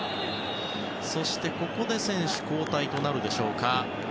そして、ここで選手交代となるでしょうか。